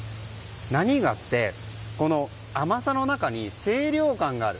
何がって、この甘さの中に清涼感がある。